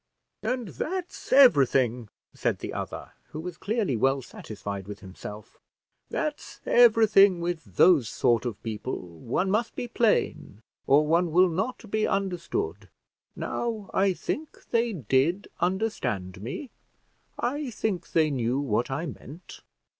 "And that's everything," said the other, who was clearly well satisfied with himself; "that's everything: with those sort of people one must be plain, or one will not be understood. Now, I think they did understand me; I think they knew what I meant."